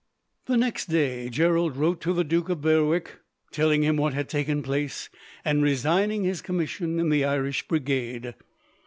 The next day, Gerald wrote to the Duke of Berwick, telling him what had taken place, and resigning his commission in the Irish Brigade.